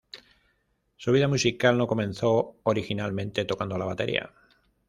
Su vida musical no comenzó originalmente tocando la batería.